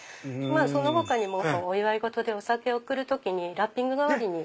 その他にもお祝い事でお酒を送る時にラッピング代わりに。